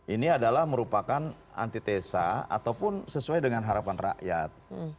ini adalah merupakan antitesa ataupun sesuai dengan harapan rakyat